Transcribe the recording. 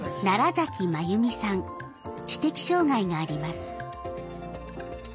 知的障害があります。